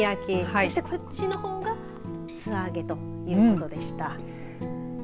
そしてこっちのほうが素揚げということでした。